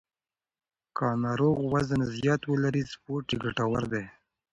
که ناروغ وزن زیات ولري، سپورت یې ګټور دی.